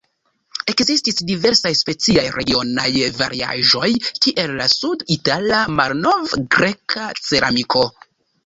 Ekzistis diversaj specifaj regionaj variaĵoj, kiel la sud-itala malnov-greka ceramiko.